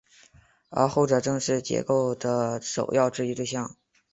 而后者正是解构的首要质疑对象。